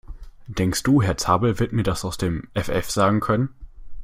Denkst du, Herr Zabel wird mir das aus dem Effeff sagen können?